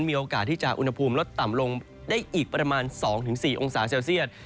มีโอกาสที่จะอุณหภูมิลดต่ำลงได้อีกประมาณ๒๔องศาเซลเซียต